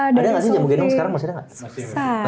ada gak sih jamu gendong sekarang mas ada gak